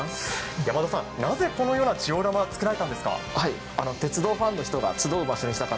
なぜこのようなジオラマ作られたんですか？